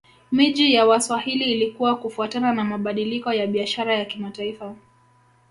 Miji ya Waswahili ilikua kufuatana na mabadiliko ya biashara ya kimataifa